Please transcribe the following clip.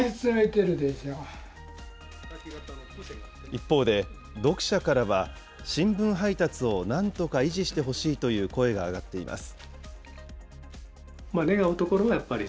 一方で、読者からは、新聞配達をなんとか維持してほしいという声が上がっています。